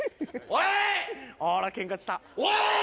おい‼